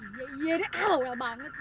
iya iya deh awal banget sih